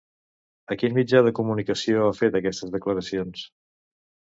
A quin mitjà de comunicació ha fet aquestes declaracions?